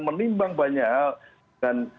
menimbang banyak hal dan